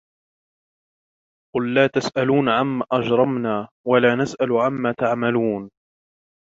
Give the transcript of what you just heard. قُلْ لَا تُسْأَلُونَ عَمَّا أَجْرَمْنَا وَلَا نُسْأَلُ عَمَّا تَعْمَلُونَ